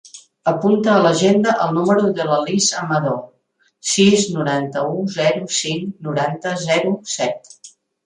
Apunta a l'agenda el número de la Lis Amador: sis, noranta-u, zero, cinc, noranta, zero, set.